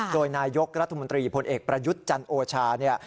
โดยนายกรัฐมนตรีพลเอกประยุทธ์จันโอชาเนี่ย